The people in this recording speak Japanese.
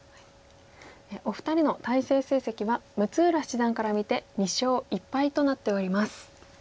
お二人の対戦成績は六浦七段から見て２勝１敗となっております。